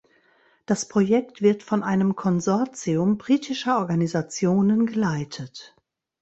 Das Projekt wird von einem Konsortium britischer Organisationen geleitet.